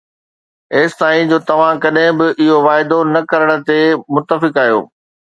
ايستائين جو توهان ڪڏهن به اهو واعدو نه ڪرڻ تي متفق آهيو